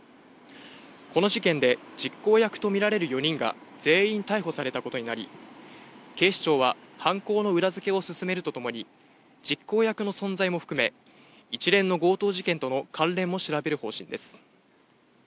この事件で実行役と見られる４人が全員逮捕されたことになり、警視庁は犯行の裏付けを進めるとともに、実行役の存在も含め、一連の強盗事件との関連も調べる方針です。